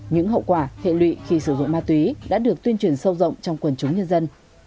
những hậu quả hệ lụy khi sử dụng ma túy đã được tuyên truyền sâu rộng trong quần chúng nhân dân